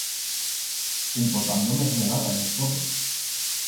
Empotando mermelada en es potes.